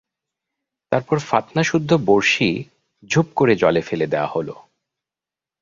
তারপর ফাতনা-সুদ্ধ বঁড়শি, ঝুপ করে জলে ফেলে দেওয়া হল।